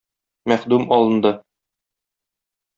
Мәхдүм алынды!